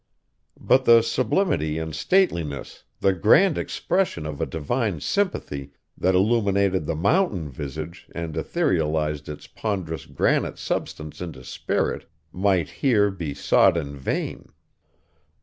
But the sublimity and stateliness, the grand expression of a divine sympathy, that illuminated the mountain visage and etherealized its ponderous granite substance into spirit, might here be sought in vain.